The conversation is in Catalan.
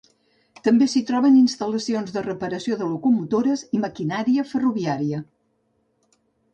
També s'hi troben instal·lacions de reparació de locomotores i maquinària ferroviària.